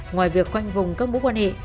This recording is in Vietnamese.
ngoài việc quanh vùng cấp bố quan hệ